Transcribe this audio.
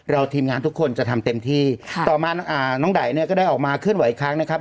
ทีมงานทุกคนจะทำเต็มที่ต่อมาน้องไดเนี่ยก็ได้ออกมาเคลื่อนไหวอีกครั้งนะครับ